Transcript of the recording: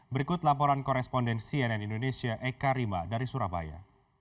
berikut laporan koresponden cnn indonesia eka rima dari surabaya